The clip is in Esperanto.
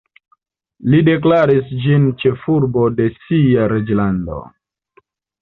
Li deklaris ĝin ĉefurbo de sia reĝlando.